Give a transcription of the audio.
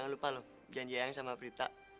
jangan lupa loh janji eyang sama prita